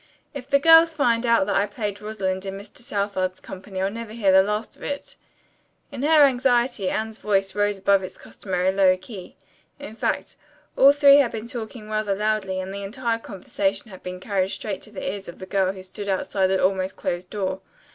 If the girls find out that I played Rosalind in Mr. Southard's company I'll never hear the last of it." In her anxiety Anne's voice rose above its customary low key. In fact, all three had been talking rather loudly, and the entire conversation had been carried straight to the ears of the girl who stood outside the almost closed door.